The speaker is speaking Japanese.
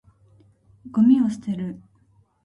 ゴミを捨てる。